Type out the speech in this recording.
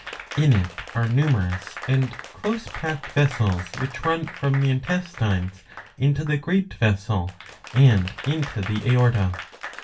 In it are numerous and close packed vessels, which run from the intestines into the great vessel and into the aorta.